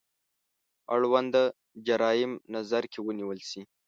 اړونده جرايم نظر کې ونیول شي.